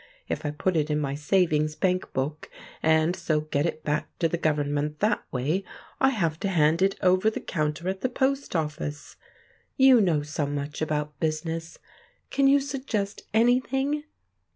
If I put it in my savings bank book, and so get it back to the Government that way, I have to hand it over the counter at the post office. You know so much about business, can you suggest anything?"